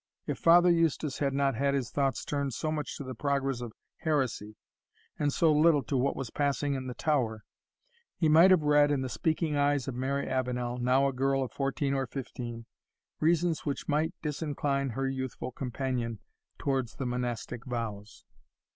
If Father Eustace had not had his thoughts turned so much to the progress of heresy, and so little to what was passing in the tower, he might have read, in the speaking eyes of Mary Avenel, now a girl of fourteen or fifteen, reasons which might disincline her youthful companion towards the monastic vows.